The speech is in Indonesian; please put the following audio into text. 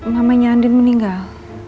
mamanya andin meninggal